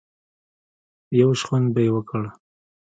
يو شخوند به يې وکړ.